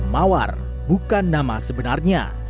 mawar bukan nama sebenarnya